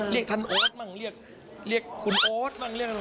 เรียกท่านโอ๊ตบ้างเรียกคุณโอ๊ตบ้าง